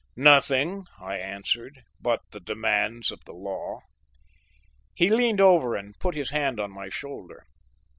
"Nothing," I answered, "but the demands of the law." He leaned over and put his hand on my shoulder.